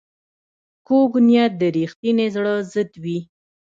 کوږ نیت د رښتیني زړه ضد وي